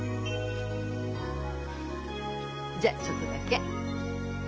じゃあちょっとだけ。